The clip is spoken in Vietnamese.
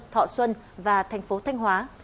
thọ xuân và thành phố thanh hóa